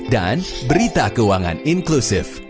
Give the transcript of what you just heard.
dan berita keuangan inklusif